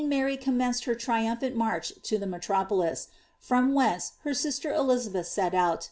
July, when qut^en Mary commenced her triumphant march to the metropolis, from whence her sister Elizabeth set out.